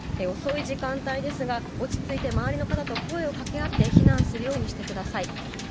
遅い時間帯ですが落ち着いて、周りの方と声を掛け合って避難するようにしてください。